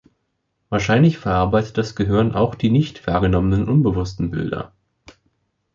Wahrscheinlich verarbeitet das Gehirn auch die nicht wahrgenommenen, unbewussten Bilder.